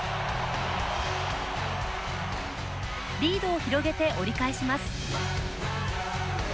リードを広げて折り返します。